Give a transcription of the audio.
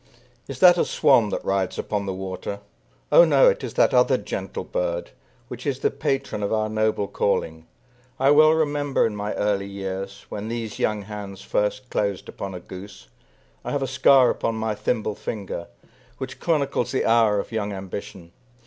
Is that a swan that rides upon the water? O no, it is that other gentle bird, Which is the patron of our noble calling. I well remember, in my early years, When these young hands first closed upon a goose; I have a scar upon my thimble finger, Which chronicles the hour of young ambition.